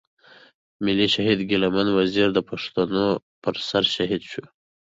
ملي شهيد ګيله من وزير د پښتنو پر سر شهيد شو.